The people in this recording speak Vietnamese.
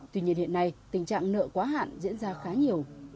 tuy nhiên hiện nay tình trạng nợ quá hạn diễn ra khá nhiều